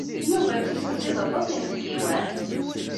Yuba ttasen-t-id aṭas n yinebgiwen?